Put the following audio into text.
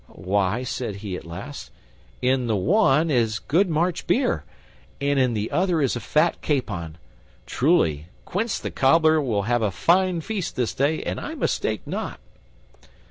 "Why," said he at last, "in the one is good March beer, and in the other is a fat capon. Truly, Quince the Cobbler will ha' a fine feast this day an I mistake not."